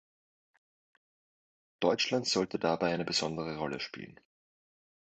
Deutschland sollte dabei eine besondere Rolle spielen.